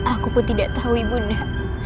aku pun tidak tahu ibunda